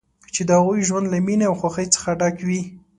چې د هغوی ژوند له مینې او خوښۍ څخه ډک وي.